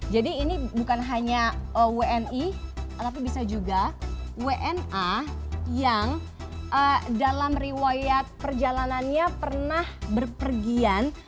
jadi ini bukan hanya wni tapi bisa juga wna yang dalam riwayat perjalanannya pernah berpergian